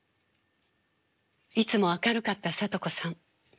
いつも明るかった聡子さん